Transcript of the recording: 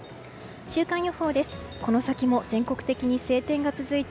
週間予報です。